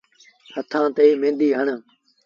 هٿآن ٿي ميݩدي هڻ۔